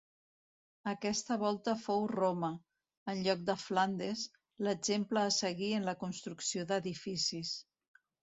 Aquesta volta fou Roma, en lloc de Flandes, l'exemple a seguir en la construcció d'edificis.